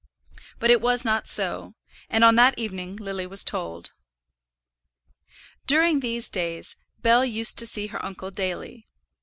But it was not so, and on that evening Lily was told. During these days, Bell used to see her uncle daily.